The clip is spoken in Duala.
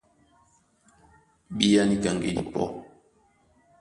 Bíá níka ŋgedi pɔ́!